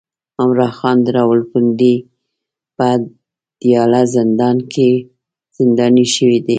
عمران خان د راولپنډۍ په اډياله زندان کې زنداني شوی دی